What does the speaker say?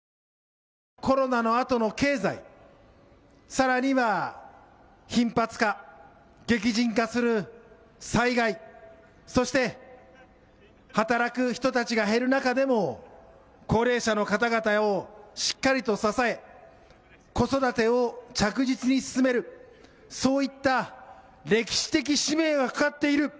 コロナのあとの経済、さらには、頻発化、激甚化する災害、そして働く人たちが減る中でも高齢者の方々をしっかりと支え、子育てを着実に進める、そういった歴史的使命がかかっている。